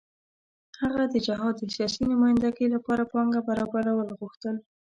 هغه د جهاد د سیاسي نمايندګۍ لپاره پانګه برابرول غوښتل.